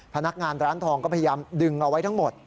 พนักงานร้านทองก็พยายามดึงเอาไว้ทั้งหมด